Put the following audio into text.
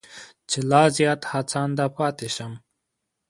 چې لا زیات هڅانده پاتې شم.